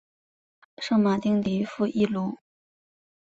圣马丁迪富伊卢。